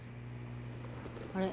あれ？